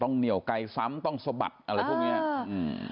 ต้องเหนี่ยวไก่ซ้ำต้องสบัดอะไรพวกนี้